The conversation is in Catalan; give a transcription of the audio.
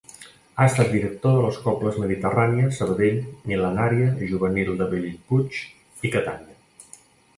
Ha estat director de les cobles Mediterrània, Sabadell, Mil·lenària, Juvenil de Bellpuig i Catània.